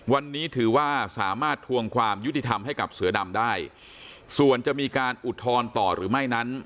วันนี้ถือว่าสามารถทวงความยุติธรรมให้กับเสือดำได้ส่วนจะมีการอุทธรณ์ต่อหรือไม่นั้น